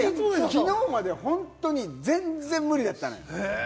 きのうまで本当に全然無理だったのよ。